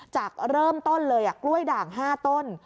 จากเริ่มต้นเลยกล้วยด่าง๕ต้น